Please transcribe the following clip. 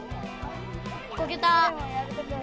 こけた。